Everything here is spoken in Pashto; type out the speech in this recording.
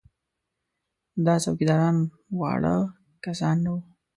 دا څوکیداران واړه کسان نه وو.